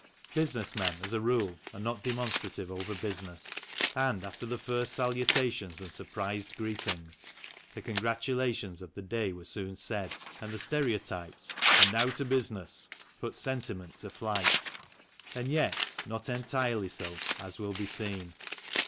Business men, as a rule, are not demonstrative over business, and, after the first salutations and surprised greetings, the congratulations of the day were soon said, and the stereotyped "And now to business" put sentiment to flight. And yet not entirely so, as will be seen.